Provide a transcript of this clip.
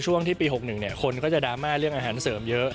ช่วงที่ปี๖๑คนก็จะดราม่าเรื่องอาหารเสริมเยอะ